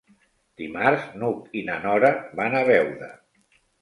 Dimarts n'Hug i na Nora van a Beuda.